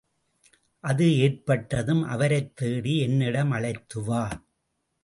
அது ஏற்பட்டதும், அவரைத்தேடி என்னிடம் அழைத்துவா.